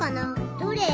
どれ？